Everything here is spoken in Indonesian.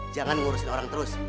jangan ngurusin orang terus